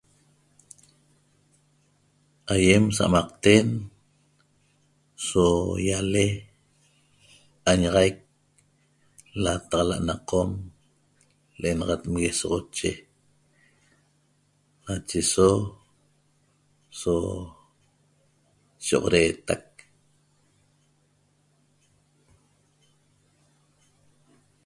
Aiem samaqten so yale añaxaic lataxala na qom lenaxat masoxoche nache so so shioxoretaq